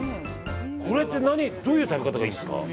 どういう食べ方がいいんですか。